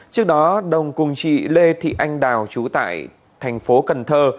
trước đó đồng cùng chị lê thị anh đào trú tại thành phố cần thơ